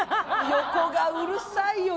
横がうるさいよ